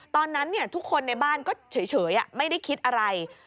ตอนนั้นทุกคนในบ้านก็เฉยไม่ได้คิดอะไร